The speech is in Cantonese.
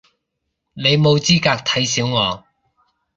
你冇資格睇小我